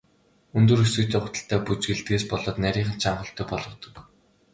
Өндөр өсгийтэй гуталтай бүжиглэдгээс болоод нарийхан, чанга хөлтэй болгодог.